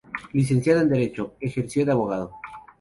Licenciado en Derecho, ejerció de abogado.